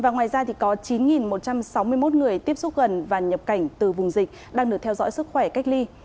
ngoài ra có chín một trăm sáu mươi một người tiếp xúc gần và nhập cảnh từ vùng dịch đang được theo dõi sức khỏe cách ly